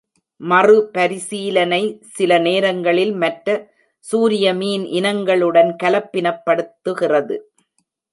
மறுபரிசீலனை சில நேரங்களில் மற்ற சூரிய மீன் இனங்களுடன் கலப்பினப்படுத்துகிறது.